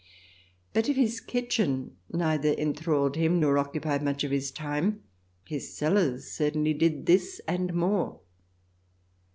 But if his kitchen neither enthralled him nor occupied much of his time, his cellars certainly did this, and more.